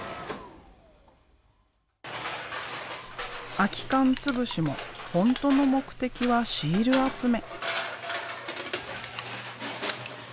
空き缶つぶしも本当の目的はシール集め。